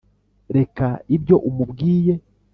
reka ibyo umubwiye